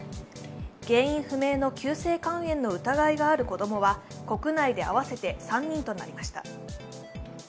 原因不明の急性肝炎の疑いがある子供は国内で合わせて３人となりました。